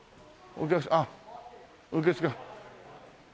あっ受付。